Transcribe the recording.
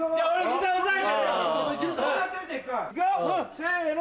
せの！